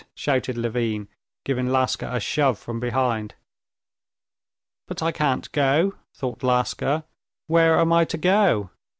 shouted Levin, giving Laska a shove from behind. "But I can't go," thought Laska. "Where am I to go?